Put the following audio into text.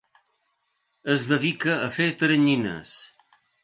Es dedica a fer teranyines.